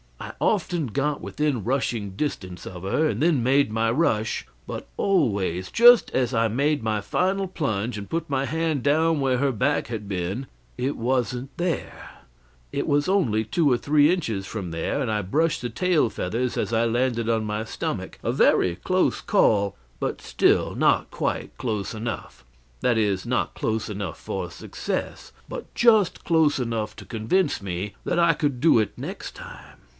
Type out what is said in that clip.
I often got within rushing distance of her, and then made my rush; but always, just as I made my final plunge and put my hand down where her back had been, it wasn't there; it was only two or three inches from there and I brushed the tail feathers as I landed on my stomach a very close call, but still not quite close enough; that is, not close enough for success, but just close enough to convince me that I could do it next time.